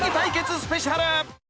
スペシャル。